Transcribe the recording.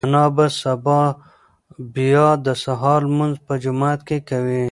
انا به سبا بیا د سهار لمونځ په جومات کې کوي.